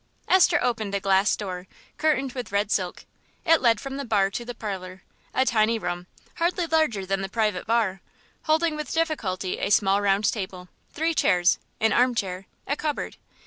Esther opened a glass door, curtained with red silk; it led from the bar to the parlour, a tiny room, hardly larger than the private bar, holding with difficulty a small round table, three chairs, an arm chair, a cupboard.